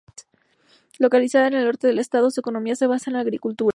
Localizada en el norte del estado, su economía se basa en la agricultura.